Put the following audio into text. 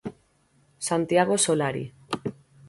Santiago Solari.